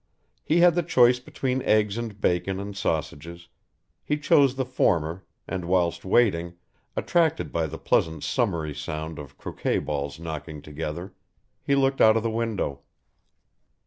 He had the choice between eggs and bacon and sausages, he chose the former and whilst waiting, attracted by the pleasant summery sound of croquet balls knocking together, he looked out of the window.